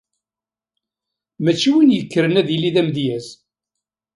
Mačči win yekkren ad yili d amedyaz.